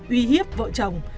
uy hiếp vợ chồng